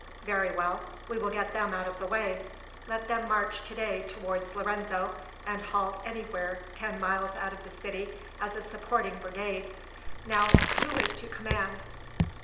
"Very well; we will get them out of the way. Let them march to day towards Lorenzo and halt anywhere ten miles out of the city as a supporting brigade. Now, who is to command?"